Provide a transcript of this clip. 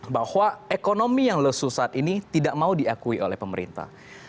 bahwa ekonomi yang lesu saat ini tidak mau diakui oleh pemerintah